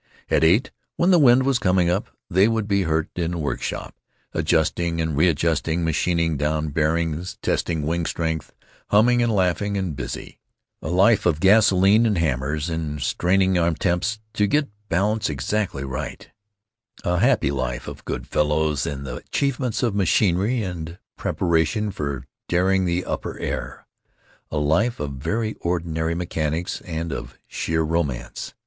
At eight, when the wind was coming up, they would be heard in the workshop, adjusting and readjusting, machining down bearings, testing wing strength, humming and laughing and busy; a life of gasoline and hammers and straining attempts to get balance exactly right; a happy life of good fellows and the achievements of machinery and preparation for daring the upper air; a life of very ordinary mechanics and of sheer romance!